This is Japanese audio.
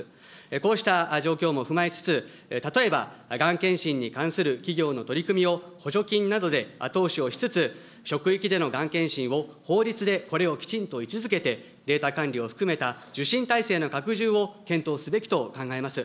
こうした状況も踏まえつつ、例えば、がん検診に関する企業の取り組みを補助金などで後押しをしつつ、職域でのがん検診を法律でこれをきちんと位置づけて、データ管理を含めた受診体制の拡充を検討すべきと考えます。